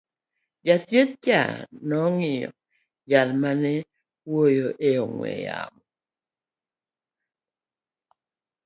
jachieth cha nong'iyo jal mane wuoyo e ong'we yamo